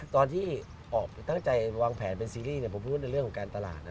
ตอนที่ออกตั้งใจวางแผนเป็นซีรีส์ผมพูดในเรื่องของการตลาดนะ